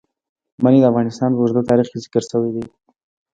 منی د افغانستان په اوږده تاریخ کې ذکر شوی دی.